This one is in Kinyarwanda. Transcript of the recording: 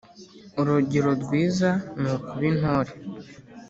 urugero rwiza nukuba intore